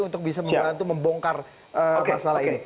untuk bisa membantu membongkar masalah ini